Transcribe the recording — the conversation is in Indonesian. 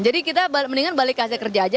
jadi kita mendingan balik ke hasil kerja aja